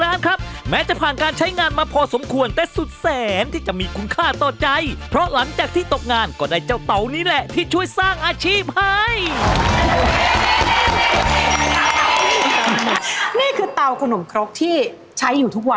แล้วก็ปัจจุบันนี้เห็นบอกว่าคุณก็ยังใช้อยู่ไม่ใช่หรือครับใช้อยู่ค่ะ